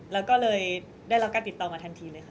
แล้วก็เลยได้รับการติดต่อมาทันทีเลยค่ะ